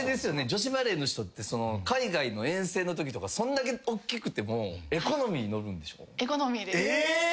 女子バレーの人って海外の遠征のときとかそんだけおっきくてもエコノミーに乗るんでしょ？え！？